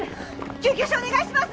救急車お願いします！